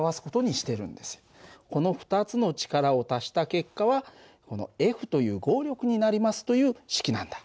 この２つの力を足した結果はこのＦという合力になりますという式なんだ。